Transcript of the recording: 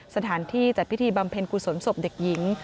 สถานที่จัดพิธีบำเพ็ญกุศลศพเด็กหญิง